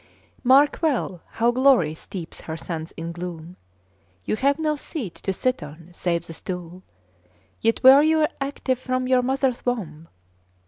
Mark well how Glory steeps her sons in gloom! You have no seat to sit on, save the stool: '' Yet were you active from your mother's womb.